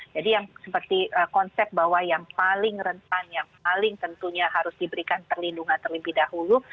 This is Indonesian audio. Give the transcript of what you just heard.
jadi yang seperti konsep bahwa yang paling rentan yang paling tentunya harus diberikan terlindungan terlebih dahulu